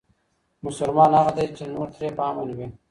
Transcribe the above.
مسلمان هغه دی چې نور ترې په امن وي.